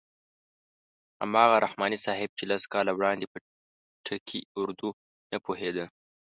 هماغه رحماني صاحب چې لس کاله وړاندې په ټکي اردو نه پوهېده.